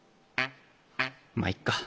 まっいっか。